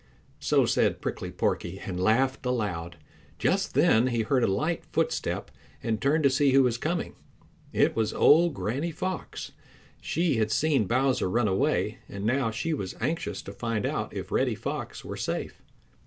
So said Prickly Porky, and laughed aloud. Just then he heard a light footstep and turned to see who was coming. It was old Granny Fox. She had seen Bowser run away, and now she was anxious to find out if Reddy Fox were safe.